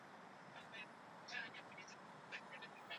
Othman Sharrif alifanywa Afisa Mifugo wa Mkoa Mtwara na Mbeya